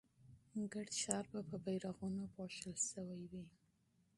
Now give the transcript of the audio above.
ټول ښار به په بيرغونو پوښل شوی وي.